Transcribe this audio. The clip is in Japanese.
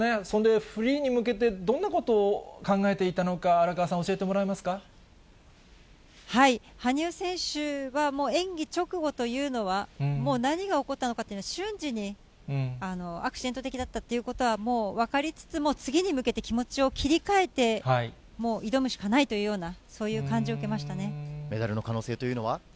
それでフリーに向けてどんなことを考えていたのか、荒川さん、羽生選手はもう演技直後というのは、もう何が起こったのかというのは、瞬時にアクシデント的だったということは、もう分かりつつも、次に向けて気持ちを切り替えて挑むしかないというような、そういメダルの可能性というのは？